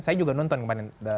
saya juga nonton kemarin